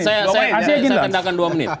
saya bisa tendangkan dua menit